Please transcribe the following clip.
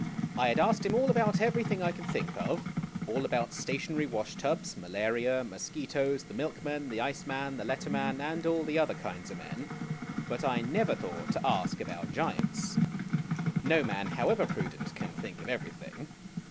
I had asked him all > o about everything I could think of all about stationary wash tubs, malaria, mosquitos, the milk man, the ice man, the letter man, and all the other kinds of men but I never thought to ask about o giants. No man, however prudent, can think of everything.